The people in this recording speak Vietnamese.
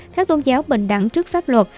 các tôn giáo bình đẳng trước pháp luật